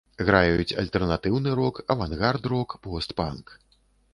Граюць альтэрнатыўны рок, авангард-рок, пост-панк.